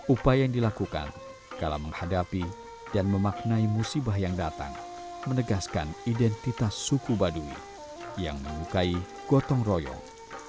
upaya yang dilakukan kala menghadapi dan memaknai musibah yang datang menegaskan identitas suku baduy yang melukai gotong royong